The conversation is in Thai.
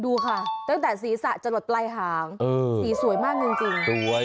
ดูครับตั้งแต่สีสะจลดปลายหาวสีสวยมากจริง